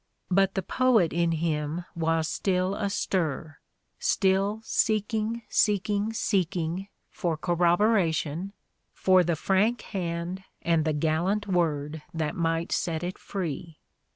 v But the poet in him was still astir, still seek ing, seeking, seeking for corroboration, for the frank hand and the gallant word that might set it free.